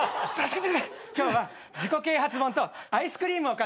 今日は自己啓発本とアイスクリームを買ったんです。